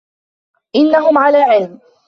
إِنَّهُمْ على علم.